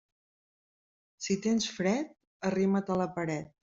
Si tens fred, arrima't a la paret.